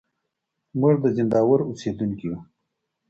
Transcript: موږ د زينداور اوسېدونکي يو.